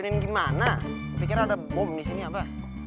diracunin gimana pikir ada bom di sini apa